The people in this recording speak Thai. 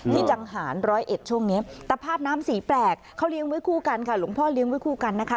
จังหารร้อยเอ็ดช่วงนี้ตะภาพน้ำสีแปลกเขาเลี้ยงไว้คู่กันค่ะหลวงพ่อเลี้ยงไว้คู่กันนะคะ